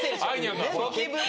「ゴキブリ」